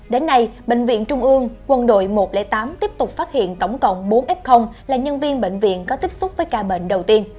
đến nay bệnh viện trung ương quân đội một trăm linh tám tiếp tục phát hiện tổng cộng bốn f là nhân viên bệnh viện có tiếp xúc với ca bệnh đầu tiên